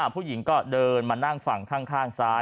ผู้หญิงก็เดินมานั่งฝั่งข้างซ้าย